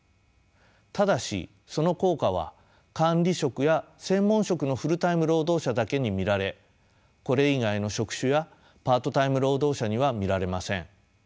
ただしその効果は管理職や専門職のフルタイム労働者だけに見られこれ以外の職種やパートタイム労働者には見られません。